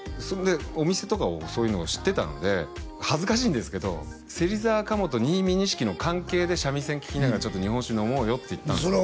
そんでお店とかをそういうのを知ってたので恥ずかしいんですけど芹沢鴨と新見錦の関係で三味線聴きながらちょっと日本酒飲もうよって言ったんです